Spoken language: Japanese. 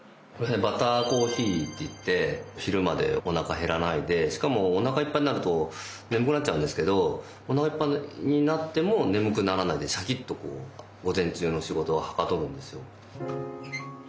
バターコーヒーっていって昼までおなか減らないでしかもおなかいっぱいになると眠くなっちゃうんですけどおなかいっぱいになっても眠くならないでシャキッとこう午前中の仕事がはかどるんですよ。